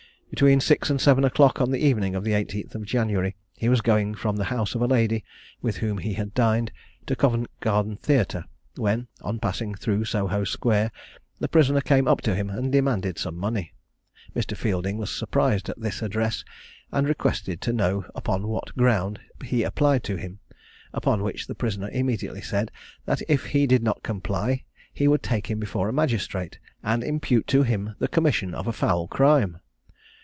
Between six and seven o'clock on the evening of the 18th of January, he was going from the house of a lady, with whom he had dined, to Covent Garden Theatre, when, on passing through Soho square, the prisoner came up to him and demanded some money. Mr. Fielding was surprised at this address, and requested to know upon what ground he applied to him; upon which the prisoner immediately said, that if he did not comply, he would take him before a magistrate, and impute to him the commission of a foul crime.